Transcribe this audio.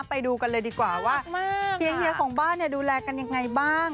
ไปดูกันเลยดีกว่าว่ามากมากค่ะเฮียเฮียของบ้านเนี่ยดูแลกันยังไงบ้าง